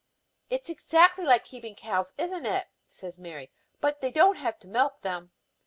"It is exactly like keeping cows, isn't it," says Mary. "But they don't have to milk them."